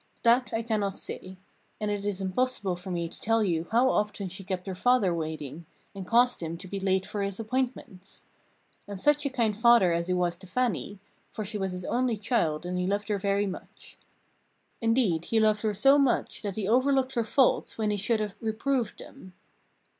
That I cannot say. And it is impossible for me to tell you how often she kept her father waiting, and caused him to be late for his appointments. And such a kind father as he was to Fannie, for she was his only child and he loved her very much. Indeed, he loved her so much that he overlooked her faults when he should have reproved them.